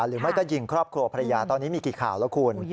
หรือไม่ก็ยิงครอบครัวภรรยาตอนนี้มีกี่ข่าวแล้วคุณ